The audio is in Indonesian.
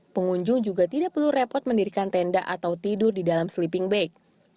pengunjung juga tidak perlu repot mendirikan tenda atau tidur di dalam sleeping bag